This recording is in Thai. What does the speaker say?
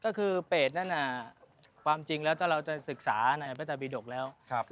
ก็คือเพศนั่นน่ะความจริงแล้วถ้าเราจะศึกษาในพระศัพท์บีดกแล้ว